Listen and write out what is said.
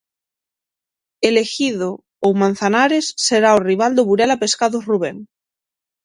El Ejido ou Manzanares será o rival do Burela Pescados Rubén.